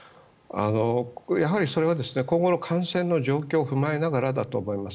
やはりそれは今後の感染の状況を踏まえながらだと思います。